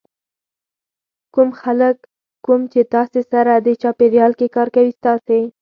کوم خلک کوم چې تاسې سره دې چاپېریال کې کار کوي تاسې